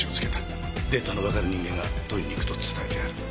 データのわかる人間が取りに行くと伝えてある。